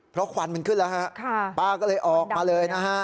เพราะควันมันขึ้นแล้วฮะป้าก็เลยออกมาเลยนะฮะ